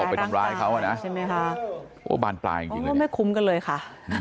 พะว่ามาบ่านปลายไม่คุ้มเลยค่ะ